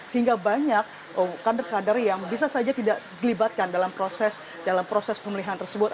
sehingga banyak kandar kandar yang bisa saja tidak dilibatkan dalam proses pemilihan tersebut